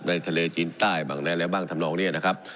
ในทะเลจีนใต้บางแรกบ้างทำลองเนี่ยนะครับ